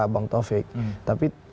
bang taufik tapi